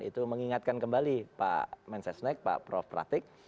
itu mengingatkan kembali pak mensesnek pak prof pratik